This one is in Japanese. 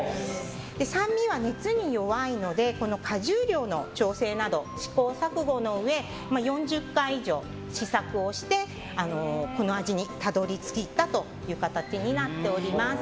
酸味は熱に弱いので果汁量の調整など試行錯誤のうえ４０回以上、試作をしてこの味にたどり着いたという形になっています。